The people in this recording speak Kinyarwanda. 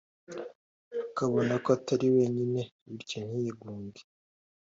akabona ko atari wenyine bityo ntiyigunge